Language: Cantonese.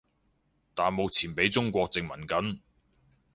但目前畀中國殖民緊